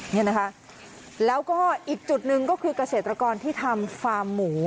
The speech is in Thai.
นี่นะคะแล้วก็อีกจุดหนึ่งก็คือเกษตรกรที่ทำฟาร์มหมู